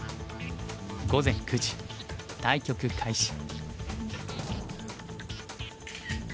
午前９時対局開始。